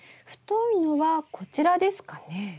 太いのはこちらですかね。